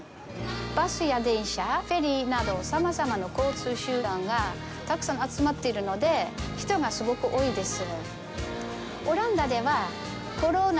バスや電車、フェリーなどさまざまな交通手段がたくさん集まっているので人がすごく多いです。